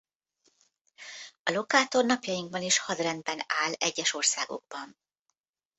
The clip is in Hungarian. A lokátor napjainkban is hadrendben áll egyes országokban.